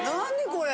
これ。